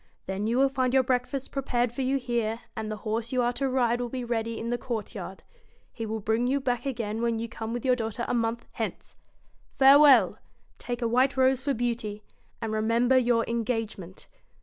Then you will find your breakfast prepared for you here, and the horse you are to ride will be ready in the court yard. He will bring you back again when you come with your daughter a month hence. Fare well ! take a white rose for Beauty ; and remember your engagement.'